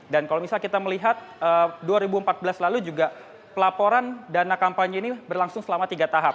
dan kalau misalnya kita melihat dua ribu empat belas lalu juga pelaporan dana kampanye ini berlangsung selama tiga tahap